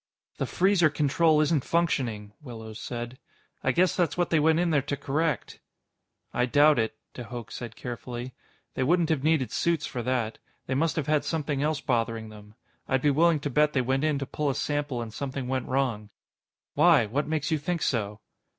"The freezer control isn't functioning," Willows said. "I guess that's what they went in there to correct." "I doubt it," de Hooch said carefully. "They wouldn't have needed suits for that. They must have had something else bothering them. I'd be willing to bet they went in to pull a sample and something went wrong." "Why? What makes you think so?"